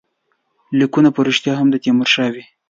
لیکونه په ریشتیا هم د تیمورشاه وي.